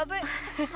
ハハ！